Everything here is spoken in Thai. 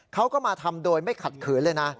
เขาก็มาทำโดยไม่ขัดขืนเลยนะ